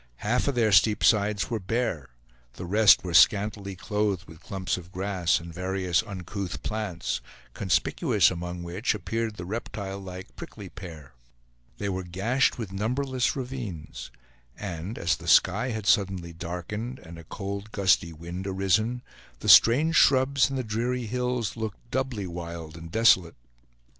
Half of their steep sides were bare; the rest were scantily clothed with clumps of grass, and various uncouth plants, conspicuous among which appeared the reptile like prickly pear. They were gashed with numberless ravines; and as the sky had suddenly darkened, and a cold gusty wind arisen, the strange shrubs and the dreary hills looked doubly wild and desolate.